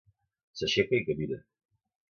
S'aixeca i camina.